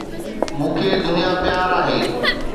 مون کي دنيا پيار آهي